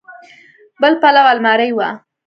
بل پلو المارۍ وه.